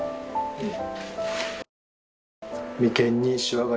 うん。